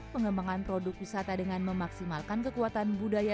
pengembangan produk wisata dengan memaksimalkan kekuatan budaya